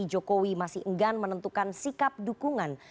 jokowi masih enggan menentukan sikap dukungan